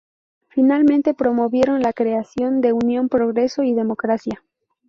Finalmente promovieron la creación de Unión Progreso y Democracia.